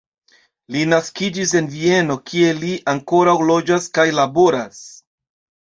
Li naskiĝis en Vieno, kie li ankoraŭ loĝas kaj laboras.